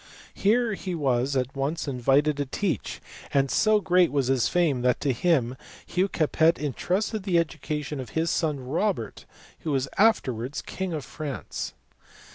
Here he was at once invited to teach, and so great was his fame that to him Hugh Capet entrusted the education of his son Robert who was afterwards king of France.